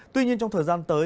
tuy nhiên trong thời gian tới